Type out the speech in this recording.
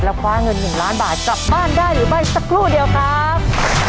คว้าเงิน๑ล้านบาทกลับบ้านได้หรือไม่สักครู่เดียวครับ